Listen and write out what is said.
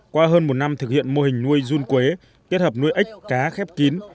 qua hơn một năm thực hiện mô hình nuôi run quế kết hợp nuôi ếch cá khép kín